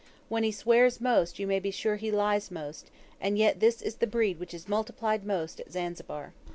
When he swears most, you may be sure he lies most, and yet this is the breed which is multiplied most at Zanzibar.